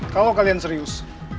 kalau kalian serius